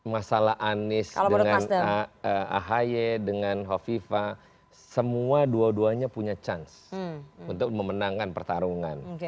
masalah anies dengan ahy dengan hovifa semua dua duanya punya chance untuk memenangkan pertarungan